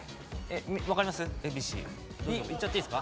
わかります？